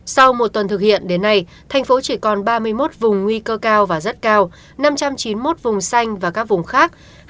sau một tuần thực hiện đến nay thành phố chỉ còn ba mươi một vùng nguy cơ cao và rất cao năm trăm chín mươi một vùng xanh và các vùng khác